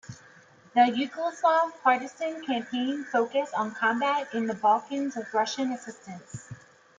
The Yugoslav partisan campaign focus on combat in the Balkans with Russian assistance.